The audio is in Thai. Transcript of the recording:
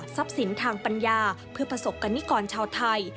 ทรัพย์สินทางปัญญาเพื่อประสบกรรมการชาวไทย